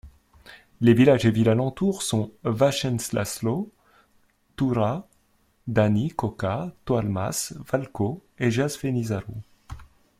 Les villages et villes alentour sont Vácszentlászló, Tura, Dány, Kóka, Tóalmás, Valkó et Jászfényszaru.